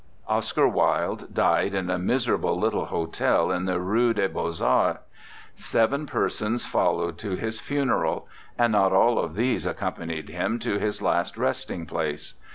Oscar Wilde died in a miserable little hotel in the Rue des Beaux Arts. Seven persons followed to his funeral, and not all of these accompanied him to his last resting place.